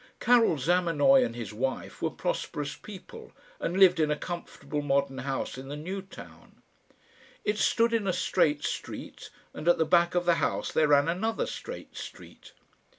Karil Zamenoy and his wife were prosperous people, and lived in a comfortable modern house in the New Town. It stood in a straight street, and at the back of the house there ran another straight street.